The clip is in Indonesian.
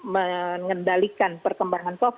mengendalikan perkembangan kondisi